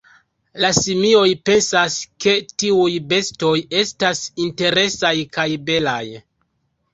La simioj pensas ke tiuj bestoj estas interesaj kaj belaj.